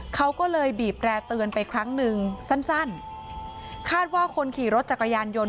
เขาก็เลยบีบแร่เตือนไปครั้งหนึ่งสั้นสั้นคาดว่าคนขี่รถจักรยานยนต์